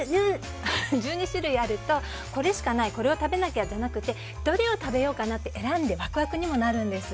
１２種類あると、これしかないこれを食べなきゃとかなくてどれを食べようかなって選んでワクワクにもなるんです。